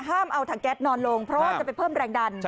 เอาถังแก๊สนอนลงเพราะว่าจะไปเพิ่มแรงดัน